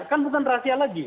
kan bukan rahasia lagi